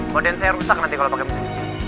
badan saya rusak nanti kalau pakai mesin mesin